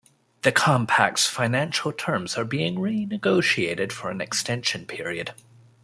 The Compact's financial terms are being renegotiated for an extension period.